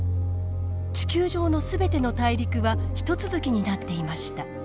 地球上の全ての大陸は一続きになっていました。